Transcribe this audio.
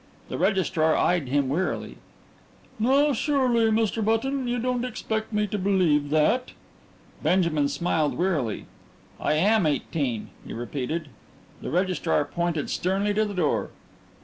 The registrar eyed him wearily. "Now surely, Mr. Button, you don't expect me to believe that." Benjamin smiled wearily. "I am eighteen," he repeated. The registrar pointed sternly to the door.